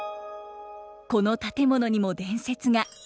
この建物にも伝説が。